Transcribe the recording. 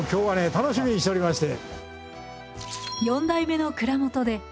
楽しみにしておりまして。